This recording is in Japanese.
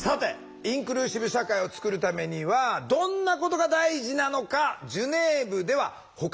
インクルーシブ社会をつくるためにはどんなことが大事なのかジュネーブではほかにも議論されたことがあるんです。